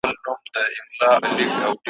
یو زلمی به د شپې ونیسي له لاسه `